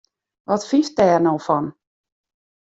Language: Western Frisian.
Wat fynst dêr no fan!